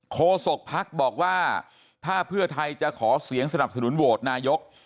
โศกภักดิ์บอกว่าถ้าเพื่อไทยจะขอเสียงสนับสนุนโหวตนายก